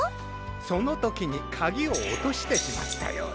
そのときにかぎをおとしてしまったようだ。